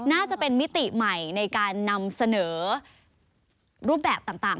น่าจะเป็นมิติใหม่ในการนำเสนอรูปแบบต่าง